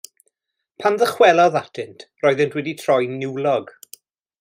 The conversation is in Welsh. Pan ddychwelodd atynt roeddent wedi troi'n niwlog.